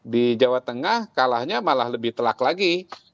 di jawa tengah kalahnya malah lebih telak lagi